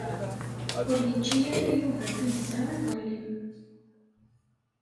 Ur yečči ara Yuba pizza iḍelli.